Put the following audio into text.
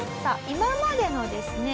今までのですね